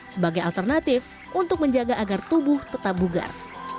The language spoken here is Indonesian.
sebagai alternatif untuk menjaga agar tubuh tetap bugar